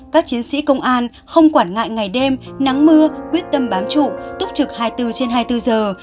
các chiến sĩ công an không quản ngại ngày đêm nắng mưa quyết tâm bám trụ túc trực hai mươi bốn trên hai mươi bốn giờ